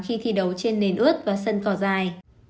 khi thi đấu trên nền ướt và sân cỏ dài